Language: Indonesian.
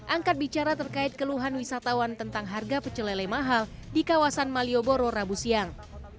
angkat bicara terkait keluhan wisatawan tentang harga pecelele mahal di kawasan malioboro rabu siang